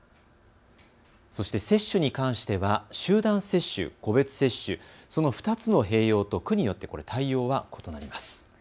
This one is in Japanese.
そして接種に関しては集団接種、個別接種、その２つの併用と区によって対応は異なります。